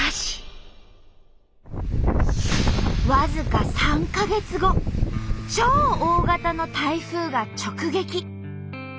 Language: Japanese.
僅か３か月後超大型の台風が直撃。